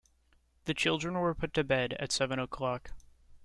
The children were put to bed at seven o’clock.